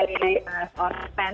sebagai seorang yang